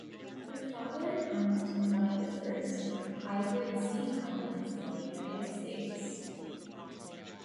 Her father owned one of the first hybrid seed companies in the United States.